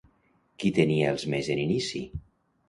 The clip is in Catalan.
Qui tenia els mes en inici?